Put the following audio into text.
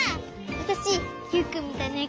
わたしユウくんみたいなえ